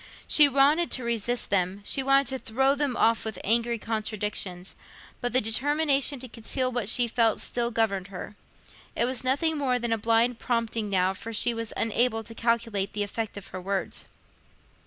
She wanted to resist them—she wanted to throw them off with angry contradiction—but the determination to conceal what she felt still governed her. It was nothing more than a blind prompting now, for she was unable to calculate the effect of her words.